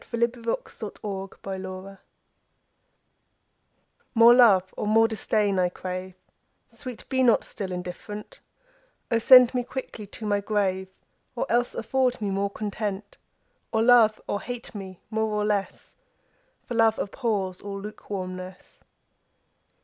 1678 403. Against Indifference MORE love or more disdain I crave; Sweet, be not still indifferent: O send me quickly to my grave, Or else afford me more content! Or love or hate me more or less, 5 For love abhors all lukewarmness.